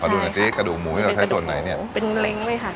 ขอดูหน่อยสิกระดูกหมูที่เราใช้ส่วนไหนเนี้ยเป็นกระดูกหมูเป็นเล้งเลยค่ะ